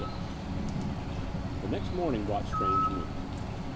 XI The next morning brought strange news.